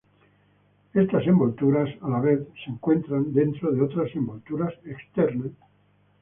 Estas envolturas a la vez se encuentran dentro de otras envolturas externas.